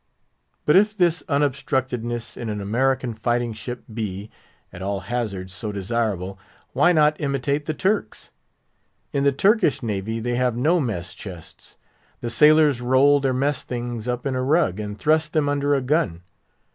But if this unobstructedness in an American fighting ship be, at all hazards, so desirable, why not imitate the Turks? In the Turkish navy they have no mess chests; the sailors roll their mess things up in a rug, and thrust them under a gun.